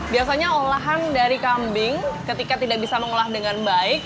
biasanya olahan dari kambing ketika tidak bisa mengolah dengan baik